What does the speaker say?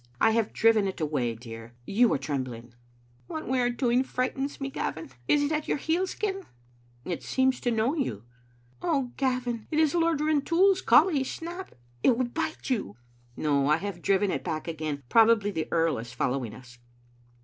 " I have driven it away, dear. You are trembling. "" What we are doing frightens me, Gavin. It is at your heels again!" " It seems to know you." " Oh, Gavin, it is Lord Rintoul's collie Snap. It will bite you." " No, I have driven it back again. Probably the earl is following us.